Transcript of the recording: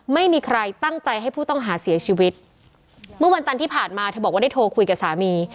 ไม่มีใครตั้งใจให้ผู้ต้องหาเสียชีวิตเมื่อวันจันทร์ที่ผ่านมาเธอบอกว่าได้โทรคุยกับสามี